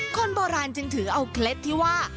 คนโบราณจึงถือเอาเคล็ดที่ว่า